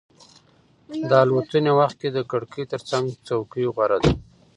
د الوتنې وخت کې د کړکۍ ترڅنګ څوکۍ غوره ده.